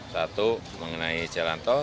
satu mengenai jalan tol